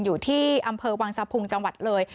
อยู่ที่อำเภอวังสะพุงจังหวัดเลย